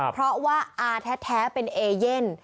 เพราะว่าอาแท้เป็นเอเย่น